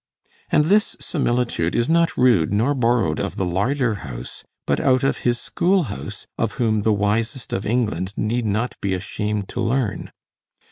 And this similitude is not rude, nor borrowed of the larder house, but out of his school house, of whom the wisest of England need not be ashamed to learn.